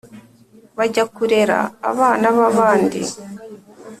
Bajya kurera abana babandi